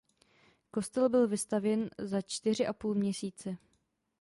Kostel byl vystavěn za čtyři a půl měsíce.